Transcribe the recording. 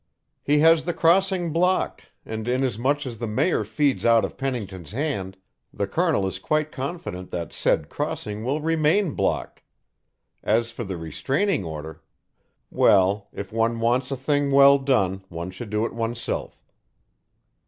"He has the crossing blocked, and inasmuch as the Mayor feeds out of Pennington's hand, the Colonel is quite confident that said crossing will remain blocked, As for the restraining order well, if one wants a thing well done, one should do it oneself."